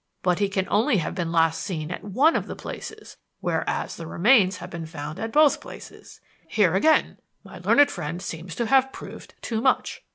But he can only have been last seen at one of the places, whereas the remains have been found at both places. Here again my learned friend seems to have proved too much.